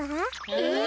えっ？